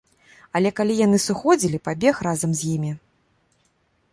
Але калі яны сыходзілі, пабег разам з імі.